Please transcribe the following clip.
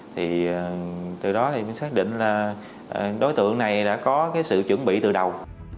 thì từ đó thì mình xác định là đối tượng này đã có cái sự chuẩn bị từ đầu